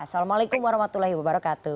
assalamualaikum wr wb